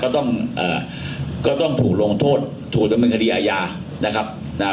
ต้องถูกลงโทษถูกเป็นคดีอาญา